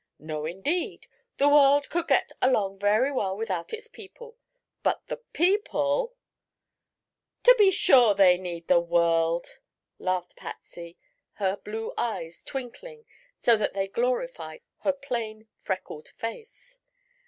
"No, indeed; the world could get along very well without its people; but the people " "To be sure; they need the world," laughed Patsy, her blue eyes twinkling so that they glorified her plain, freckled face.